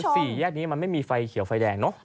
สี่แยกนี้มันไม่มีไฟเขียวไฟแดงเนอะ